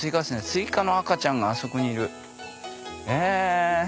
スイカの赤ちゃんがあそこにいるえ！